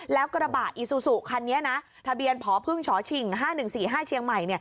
แล้วกระบะอีซูซูคันนี้นะทะเบียนพพช๕๑๔๕เชียงใหม่